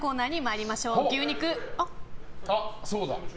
あ、そうだ。